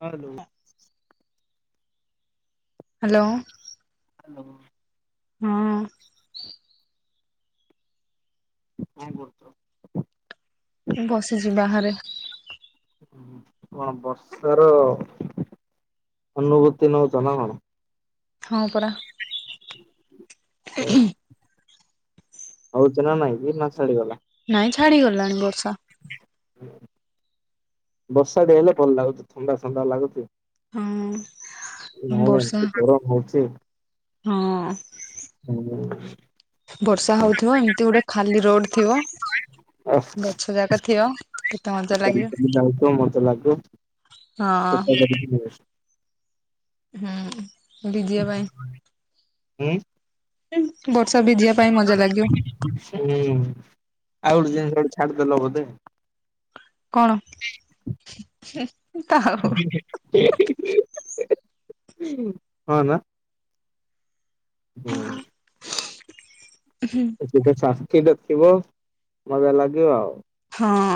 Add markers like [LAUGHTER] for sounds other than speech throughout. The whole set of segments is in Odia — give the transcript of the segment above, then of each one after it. ହ୍ୟାଲୋ। ହ୍ୟାଲୋ। ହ୍ୟାଲୋ। ହଁ। କଣ୍ କରୁଚ? ମୁଁ ବସିଛି ବାହାରେ। ହୁଁ କଣ ବର୍ଷ ର ଅନୁ ଗତି ନଉଚ ନା କଣ? ହଁ ପରା। ଚ ନା ନାଇଁ, ଏଇ ମାସ ନାଇଁ ଛାଡି ଗଲାଣି ବର୍ଷା। ବର୍ଷାଟି ହେଲେ ଭଲ ଲାଗୁଛି ଥଣ୍ଡା ଥଣ୍ଡା ଲାଗୁଛି। ହଁ। ନ ବର୍ଷା ଏମତି ଗରମ ହଉଛି। ହଁ। ମଜା ଲାଗୁ ବର୍ଷା ହଉଥିବ ଏମିତି ଗୋଟେ ଖାଲି ରୋଡ ଥିବ। ଓଫ, ଗଛ ଯାକ ଥିବ କେତେ ମଜା ଚାଲି ଲାଗିବ ଚାଲି ଯାଉଥିବ ମଜା ଲାଗୁଥିବ। ହଁ [UNINTELLIGIBLE] ହୁଁ ଦିଦିଆ ଭାଇ। ହୁଁ? ବର୍ଷା ଭିଜିବା ପାଇଁ ହୁଁ। ମଜା ଲାଗିବ ଆଉ ଗୋଟେ ଜିନିଷ ଗୋଟେ ଛାଡିଦେଲ ବୋଧେ। କଣ ତା ହଉ [UNINTELLIGIBLE] ହଁ ନା? ହୁଁ। ଗୋଟେ ସାଥୀ ଟେ ଥିବ, ମଜା ଲାଗିବ ଆଉ। ହଁ।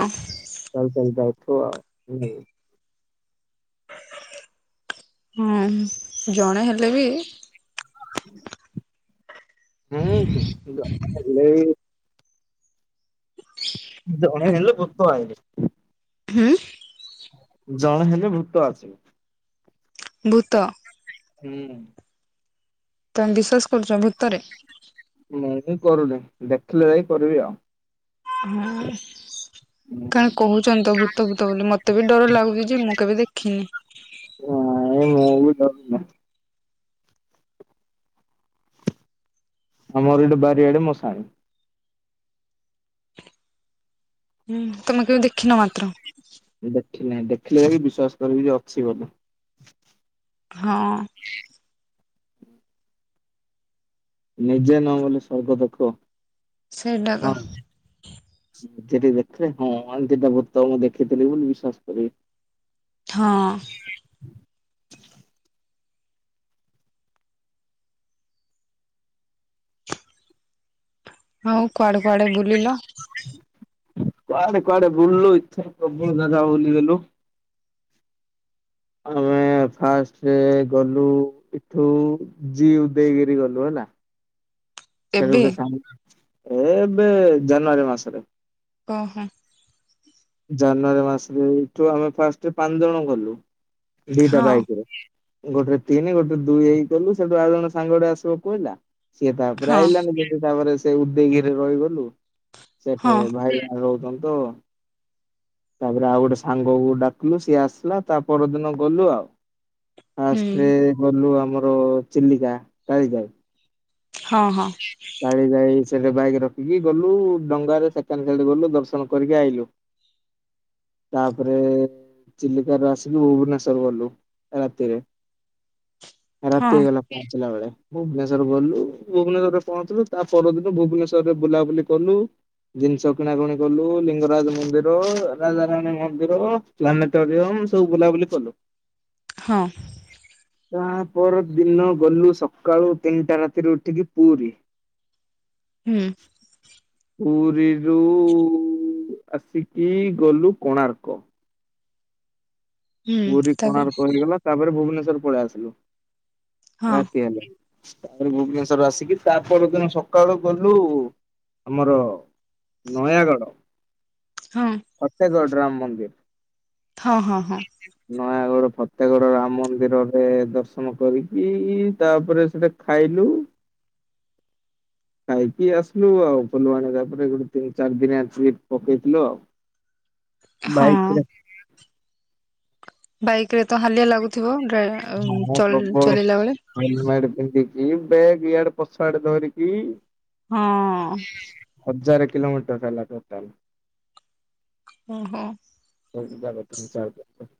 ଚାଲି [UNINTELLIGIBLE] ହୁଁ ଜଣେ ହେଲେ ବି ହୁଁ ହୁଁ ଜଣେ ହେଲେ ବି ଜଣେ ହେଲେ [UNINTELLIGIBLE] ହୁଁ? ଜଣେ ହେଲେ ଭୂତ ଆସିବ। ଭୂତ। ହୁଁ। ତମେ ବିଶ୍ବାସ କରୁଛ ଭୂତରେ? ମୁଁ କରୁନି ଦେଖିଲେ ଯାଇ କରିବି ଆଉ। ହଁ। କାଣ କହୁଛନ୍ତି ଭୂତ ଭୂତ ବୋଲି, ମତେ ବି ଡର ଲାଗୁଛି ଯେ ମୁଁ କେବେ ଦେଖିନି। ନାଇ ମୁଁ ବି ଡ ଆମର ଏଇଡେ ବାରିଆଡେ ମଶାଣି। ହୁଁ ତମେ କେବେ ଦେଖିନ ମାତ୍ର? ଦେଖି ନାହିଁ, ଦେଖିଲେ ଯାଇକି ବିଶ୍ଵାସ କରିବି ଯେ ଅଛି ବୋଲି। ହଁ ନିଜେ ନ ମଲେ ସ୍ୱର୍ଗ ଦେଖିବ? ସେଇଟା ତ ସେଠି ଦେଖିଲେ ହଁ ଯେଟା ଭୂତ ମୁଁ ଦେଖିଥିଲି ବୋଲି ବିଶ୍ୱାସ କରିବି। ହଁ। ହଉ କୁଆଡେ କୁଆଡେ ବୁଲିଲ? କୁଆଡେ କୁଆଡେ ବୁଲୁଛ [UNINTELLIGIBLE] [UNINTELLIGIBLE] ଏ ଫାଷ୍ଟରେ ଗଲୁ ଏଠୁ ଜି ଉଦୟଗିରି ଗଲୁ ହେଲା। ଏବେ? [UNINTELLIGIBLE] ଏବେ ଜାନୁଆରୀ ମାସରେ। ଓହୋ। ଜାନୁଆରୀ ମାସରେ ଏଇଠୁ ଆମେ ଫାଷ୍ଟ ପାଞ୍ଚଜଣ ଗଲୁ। ଦିଟା ହଁ ବାଇକିରେ। ଗୋଟେ ରେ ତିନି ଗୋଟେ ରେ ଦୁଇ ହେଇ ଗଲୁ ସେଠୁ ଆଉ ଜଣ ସାଙ୍ଗଟେ ଆସିବ କୁଇଲା। ସିଏ ତାପରେ ହଁ ଆଇିଲାନି ଯେତୁ ତାପରେ ସେ ଉଦୟଗିରିରେ ରହିଗଲୁ। ହଁ ସେଠି ଭାଇ [UNINTELLIGIBLE] ରହୁଚନ୍ତି ତ। ତାପରେ ଆଉ ଗୋଟେ ସାଙ୍ଗକୁ ଡାକିଲୁ ସିଏ ଆସିଲା ତା ପରଦିନ ଗଲୁ ଆଉ। ହୁଁ ଫାର୍ଷ୍ଟ ରେ ଗଲୁ ଆମର ଚିଲିକା କାଳିଜାଈ। ହଁ ହଁ କାଳିଜାଈ ସେଠି ବାଇକ ରଖିକି ଗଲୁ ଡଙ୍ଗାରେ ସେପଟସାଇଡ୍ ଗଲୁ ଦର୍ଶନ କରିକି ଆଇଲୁ। ତାପରେ ଚିଲିକା ରୁ ଆସିଲୁ ଭୁବନେଶ୍ୱର ଗଲୁ ରାତିରେ। ହଁ ରାତି ହେଇଗଲା ପହଞ୍ଚିଲା ବେଳେ ଭୁବନେଶର ଗଲୁ। ଭୁବନେଶ୍ୱରରେ ପହଞ୍ଚିଲୁ ତା ପରଦିନ ଭୁବନେଶ୍ୱର ବୁଲାବୁଲି କଲୁ। ଜିନିଷ କିଣାକୁଣି କଲୁ ଲିଙ୍ଗରାଜ ମନ୍ଦିର ରାଜାରାଣୀ ମନ୍ଦିର ପ୍ଲାନେଟୋରିୟମ ସବୁ ବୁଲାବୁଲି କଲୁ। ହଁ। ତା ପର ଦିନ ଗଲୁ ସକାଳୁ ତିନିଟା ରାତିରୁ ଉଠିକି ପୁରୀ। ହୁଁ। ପୁରୀରୁ ଆସିକି ଗଲୁ କୋଣାର୍କ। ହୁଁ ପୁରୀ ତାପରେ କୋଣାର୍କ ହେଇଗଲା ତାପରେ ଭୁବନେଶ୍ଵର ପଳେଇ ଆସିଲୁ ହଁ ରାତି ହେଲେ। ତାପରେ ଭୁବନେଶ୍ଵର ଆସିକି ତା ପରଦିନ ସକାଳୁ ଗଲୁ ଆମର ନୟାଗଡ଼ ହଁ ଫତେଗଡ଼ ରାମ ମନ୍ଦିର। ହଁ ହଁ ହଁ। ନୟାଗଡ ଫତେଗଡ ରାମ ମନ୍ଦିରରେ ଦର୍ଶନ କରିକି ତାପରେ ସେଟା ଖାଇଲୁ। [INAUDIBLE] ଖାଇକି ଆସିଲୁ ଆଉ ଫୁଲବାଣୀ ତାପରେ ଗୋଟେ ତିନି ଚାରି ଦିନି ଆସିକି ପକେଇଥିଲୁ ଆଉ। [INAUDIBLE] ବାଇକ୍ ହଁ। ରେ ବାଇକ ରେ ତ ହାଲିଆ ଲାଗୁଥିବ। ଡ୍ରା ହଁ ପ୍ରବଳ ଚଲେଇଲା ବେଳେ ହେଲମେଡ୍ ପିନ୍ଧିକି ବ୍ୟାଗ୍ ଇଆଡ଼େ ପଛ ଆଡେ ଧରିକି ହଁ। କିିଲୋମିଟର ହେଲା ଟୋଟାଲ। ଓହୋ [UNINTELLIGIBLE]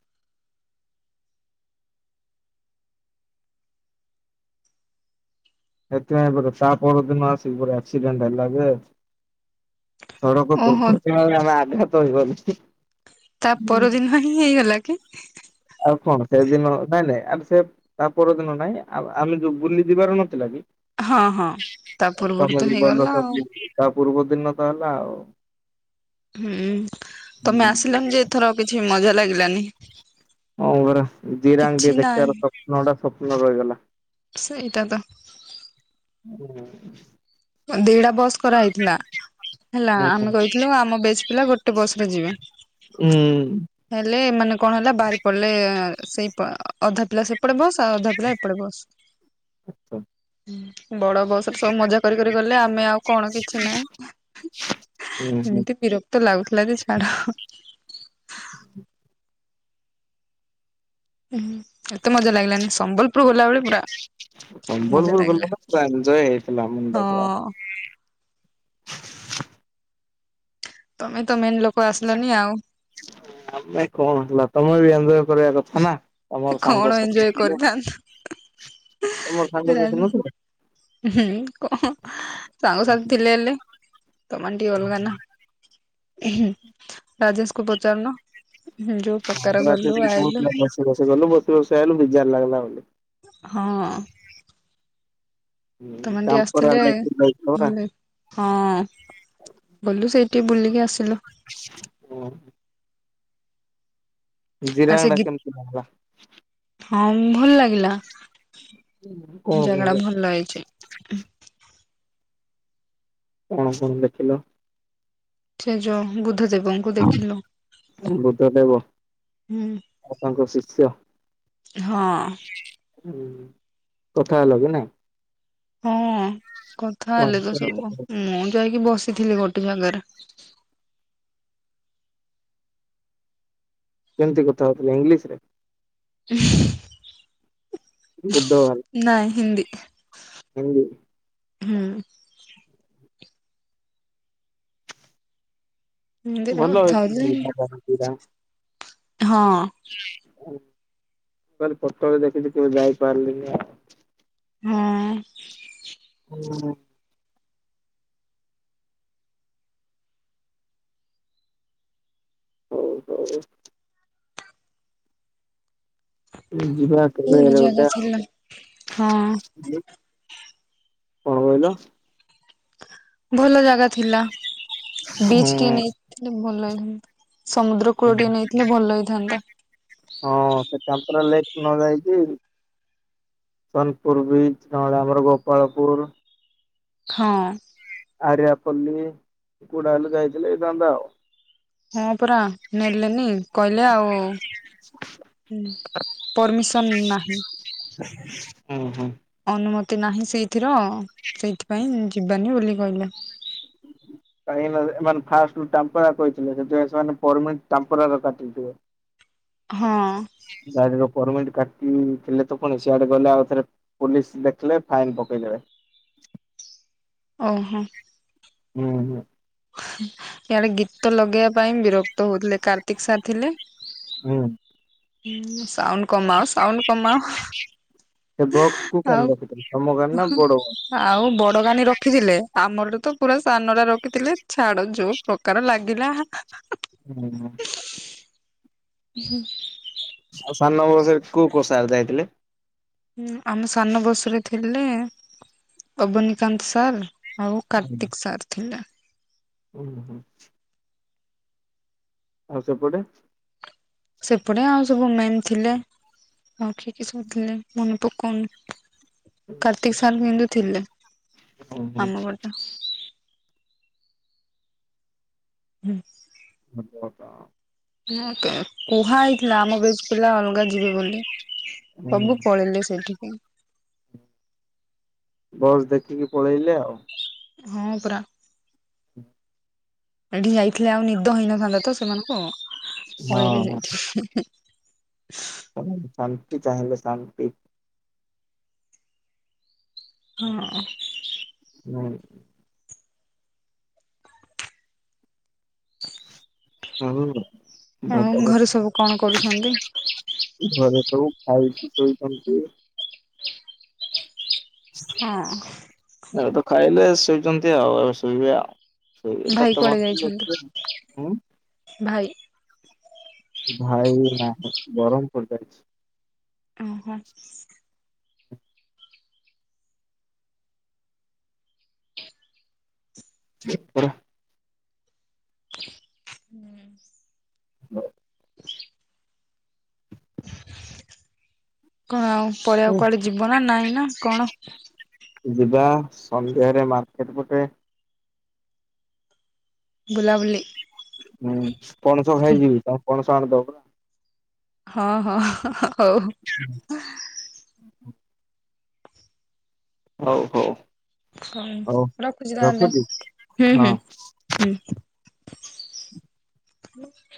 ଏଥି ପାଇଁ ପରା ତା ପର ଦିନ ଆସିକିରି ଆକ୍ସିଡେଣ୍ଟ ହେଲାଯେ ସଡ଼କ ଓହୋ ଦୁର୍ଘଟଣା ରେ ଆମେ ଆଘାତ ହେଇଗଲୁ। ତା ପରଦିନ ହିଁ ହେଇଗଲା କି? ଆଉ କଣ ସେଦିନ ନାଇଁ ନାଇଁ ଆମେ ସେ ତା ପରଦିନ ନାଇଁ ଆଉ ଆମେ ଯୋଉ ବୁଲି ଯିବାର ନଥିଲା କି? ହଁ ହଁ। ତା ପୂର୍ବରୁ ତ ସାମଗ୍ରୀ [UNINTELLIGIBLE] ହେଇଗଲା ଆଉ ପୂର୍ବ ଦିନ ତ ହେଲା ଆଉ। ହୁଁ ତମେ ଆସିଲନି ଯେ ଏଥର କିଛି ମଜା ଲାଗିଲାନି। ହ ପରା କିଛି ଜୀରାଙ୍ଗି ନାହିଁ। ଦେଖିବାର ସପ୍ନ ଟା ସପ୍ନ ରହିଗଲା। ସେଇଟା ତ ଓ ଦିଇଡା ବସ୍ କରାହେଇଥିଲା ହେଲା ହୁଁ ଆମେ କହିଥିଲୁ ଆମ ବ୍ୟାଚ ପିଲା ଗୋଟେ ବସ୍ ରେ ଯିବେ ହୁଁ ହେଲେ ଏମାନେ କଣ ହେଲା ବାହାରି ପଡିଲେ ଏଁ ସେଇ ପ ଅଧା ପିଲା ସେପଟେ ବସ୍ ଆଉ ଅଧା ପିଲା ଏପଟେ ବସ୍। ବଡ ବସ୍ ରେ ସବୁ ମଜା କରି କରି ଗଲେ ଆମେ ଆଉ କଣ କିଛିନାହିଁ। ହୁଁ ଏମିତି ବିରକ୍ତ ଲାଗୁ ଲାଗୁଥିଲା ଯେ ଛାଡ। ଏତେ ମଜା ଲାଗିଲାନି ସମ୍ବଲପୁର ଗଲା ବେଳେ ପୁରା ମଜା ବୋଲବୋଲ୍ ବୋଲ୍ ଲାଗିଲା ବାବା ପୁରା ଏନ୍ଞ୍ଜୟ ହେଇଥିଲା ମୁଣ୍ଡ ଖରା ହଁ। ତମେ ତ ମେନ୍ ଲୋକ ଆସିଲନି ଆଉ ଆମେ କଣ ହେଲା ତମେ ବି ଏଞ୍ଜୋୟ୍ କରିବା କଥା ନା ତମର କଣ ଏଞ୍ଜୟ ସାଙ୍ଗସଥି କରିଥାନ୍ତ। ତମର ସାଙ୍ଗ ସେଠି ନଥିଲେ? ହୁଁ କଣ ସାଙ୍ଗସାଥି ଥିଲେ ହେଲେ ତମେ ଟିକେ ଅଲଗା ନା। ରାଜେଶକୁ ପଚାରୁନ? ଯୋଉ ପ୍ରକାର ରାଜୁ ଗଲୁ ଆସିକି ଆଇଲୁ। କହୁଥିଲା ବସିବସି ଗଲୁ ବସିବସି ଆଇଲୁ ବିଜାର ଲାଗିଲା ବୋଲି। ହଁ। ହୁଁ ତମେ ଟିକେ ତାମ୍ପରା ଆସିଥିଲେ ଲାଇଫ ଯାଇଥିଲ ପରା। ଭଲ ହଁ। ଗଲୁ ସେଇଠି ବୁଲିକି ଆସ୍ ହ। ଆ ସେ ଜିରାଙ୍ଗଡା ଗୀ କେମିତି ଲାଗିଲା? ହଁ ଭଲ ଲାଗିଲା। କଣ ଜାଗା ଟା କଣ ଭଲ ହେଇଛି। କଣ କଣ ଦେଖିଲ? ସେ ଯୋଉ ବୁଦ୍ଧ ଦେବ। ବୁଦ୍ଧଦେବ ହୁଁ ଆଉ ତାଙ୍କ ଶିଷ୍ୟ? ହଁ। ହୁଁ କଥା ହେଲ କି ନାଇ? ହଁ କଥା ହେଲେ ତ ସବୁ କେମିତି ମୁଁ ଯାଇକି ବସି ଥିଲି ଗୋଟେ ଜାଗାରେ କେମିତି କଥା ହଉଥିଲ ଇଂଲିଶ ରେ? ଉହୁ ନାଇଁ ହିନ୍ଦୀ ହୁଁ। ହୁଁ। ହିନ୍ଦୀରେ କଥା ଭଲହେଇଛି ହଉଥିଲି। ଜାଗା ଗୁରା। ହଁ।। ମୁଁ ଖାଲି ଫୋଟୋରେ ଦେଖିଛିି କେବେ ଯାଇପାରିଲିନି ଆଉ। ହଁ। ହୁଁ। ହଉ ହଉ। ଯିବା କେବେ ଭଲ ଜାଗା ଏରବଟା ଥିଲା। ହଁ ହୁ କଣ କହିଲ? ଭଲ ଜାଗା ଥିଲା ବିଚ୍ ଟିଏ ନେଇଥିଲେ ଭଲ ହେଇଥାନ୍ତା। ସମୁଦ୍ର କୂଳଟିଏ ନେଇଥିଲେ ଭଲ ହେଇଥାନ୍ତା। ହଁ ସେ କ୍ୟାମ୍ପରା ଲେକ୍ ନ ଯାଇକି ସୋନପୁର ବିଚ ନଲେ ଆମରଗୋପାଳପୁର ହଁ ଆରଆପଲୀ କୁଡ଼ାଲେ କାଇଚଥିଲେ ଦାଧ [UNINTELLIGIBLE] ହଁ ପରା ନେଲେନି, କହିଲେ ଆଉ ପରମିସନ ନାହିଁ, ହୁଁ ହୁଁ। ଅନୁମତି ନାହିଁ, ସେଇ ସେଇଥିପାଇଁ ଯିବାନି ବୋଲି କହିଲେ କାହିଁକି ନା- ଏମାନେ ଫାଷ୍ଟ ଟାମ୍ପରା କହିଥିଲେ ସେଥିପାଇଁ ସେମାନେଟାମ୍ପର କାଟିଥିଲେ। ହଁ ପରମ [UNINTELLIGIBLE] କାଟିଥିଲେ ତ ପୁଣି, ସିଆଡେ ଗଲେ ଆଉ ଥରେ ପୋଲିସ ଦେଖିଲ ଫାଇନ ପକେଇଦେବେ। ଓହୋ। ହୁଁ ହୁଁ। ଇଆଡେ ଗୀତ ଲଗେଇବା ପାଇଁ ବିରକ୍ତ ହଉଥିଲେ। କାର୍ତିକ ସାର୍ ଥିଲେ ହୁଁ। ସାଉଣ୍ଡ କମାଅ, ସାଉଣ୍ଡ କମାଅ ସେ ବକ୍ସ କୁଉ କ ଆଉ ରଖ [UNINTELLIGIBLE] ଆଉ ବଡନାନୀ ରଖିଥିଲେ, ଆମରୁ ତ ପୁରା ସାନ ଟା ରଖିଥିଲେ ଛାଡ ଯୋଉ ପ୍ରକାର ଲାଗିଲା। ହୁଁ ହୁଁ। ହଁ [UNINTELLIGIBLE] ଆଉ ସାନ ବସରେ କୋଉ କୋଉ ସାର ଯାଇଥିଲେ? ହୁଁ ଆମ ସାନ ବସରେ ଥିଲେ -ଅବନୀକାନ୍ତ ସାର୍, ଆଉ କାର୍ତ୍ତିକ୍ ସାର ଥିଲା। ଓୁ ହୁଁ [UNINTELLIGIBLE] ଆଉ ସେପଟେ ସେପଟେ ଆଉ ସବୁ ମେନ୍ ଥିଲେ, ଆଉ କିଏ କିଏ ସବୁ ଥିଲେ ମନେ ପକାଉନି। କାର୍ତ୍ତିକ ସାର୍ କିନ୍ତୁ ଥିଲେ ହୁଁ ହୁଁ। ଆମ ପଟେ ହୁଁ [UNINTELLIGIBLE] ଆ [UNINTELLIGIBLE] ହକ [UNINTELLIGIBLE] କୁହା ହେଇଥିଲା- ଆମ ବ୍ୟାଚ ପିଲା ଅଲଗା ଯିବେ ବୋଲି, ସବୁ ପଳେଇଲେ ସେଠିକି ବସ୍ ଦେଖିକି ପଳେଇଲେ ଆଉ ହଁ ପରା। ହୁଁ [INAUDIBLE] ଏଠି ଯାଇଥିଲେ ଆଉ ନିଦ ହେଇନଥାନ୍ତା ତ ସେମାନଙ୍କୁ ପଳେଇଲେ ହଁ। ସେଇଠି ଶାନ୍ତି ଚାହିଁଲେ ଶାନ୍ତି। ହଁ। ହୁଁ। ଚି [UNINTELLIGIBLE] ହଉ। ଭ [UNINTELLIGIBLE] ସବୁ କଣ ଘରେ କରୁଛନ୍ତି? ସବୁ ଖାଇଛି। ହ କ [UNINTELLIGIBLE] ହଁ। ଏ ତ ଖାଇଲେ ଶୋଇଛନ୍ତି ଆଉ ଶୋଇବେ ଆଉ ସେଇ ଭାଇ କୁଆଡେ ଯାଇଛନ୍ତି? ତଁ [UNINTELLIGIBLE] ଭାଇ ଭାଇ ନାହିଁ, ବ୍ରହମପୁର ଯାଇଛି। ଓହୋ। ପରା [UNINTELLIGIBLE] ହୁଁ [UNINTELLIGIBLE] ହଁ [UNINTELLIGIBLE] କଣ ଆଉ? ପଳେଇଆକୁ କୁଆଡେ ଯିବ ନା, ନାଇଁ ନା କଣ? ଯିବା। ସନ୍ଧ୍ୟାରେ, ମାର୍କେଟ ପଟେ। ଗୁଲା ବୁଲି। ହୁଁ, ପଣସ ଖାଇ ଯିବି। ତମେ ପଣସ ଆଣିଦବ। ହଁ, ହଁ, ହା, ହା, ହା ହଉ। ହଉ, ହଉ। ହଁ, ହଉ ରଖୁଛି ତାହେଲେ? ହୁଁ, ହଁ। ହୁଁ, ହୁଁ। ହଁ।